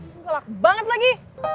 tergolak banget lagi